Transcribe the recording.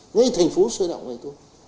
ngay thành phố sơ đạo này thôi